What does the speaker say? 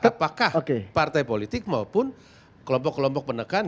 apakah partai politik maupun kelompok kelompok penekan